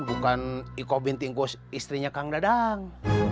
bukan iko binti ngkus istrinya kang dadang